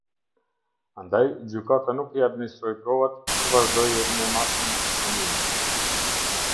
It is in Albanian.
Andaj, gjykata nuk i administroi provat, por vazhdojë me matjen e dënimit.